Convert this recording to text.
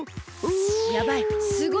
やばい。